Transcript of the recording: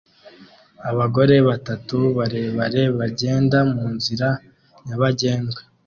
Abagore batatu barebare bagenda munzira nyabagendwa